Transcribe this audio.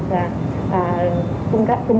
cung ứng vaccine